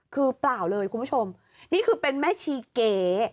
คือเปล่าเลยคุณผู้ชมนี่คือเป็นแม่ชีเก๋